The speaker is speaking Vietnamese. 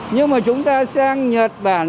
nhưng mà chúng ta sang nhật bản